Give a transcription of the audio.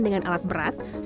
dengan alat berat